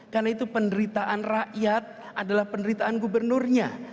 karena itu penderitaan rakyat adalah penderitaan gubernurnya